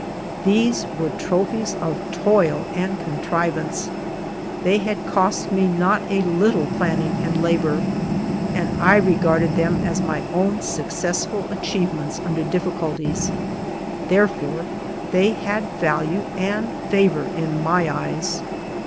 These were trophies of toil and contrivance; they had cost me not a little planning and labor, and I re garded them as my own successful achievements under difH culties. Therefore they had value and favor in my eyes.